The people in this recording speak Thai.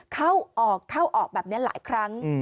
เข้าออกเข้าออกแบบนี้หลายครั้ง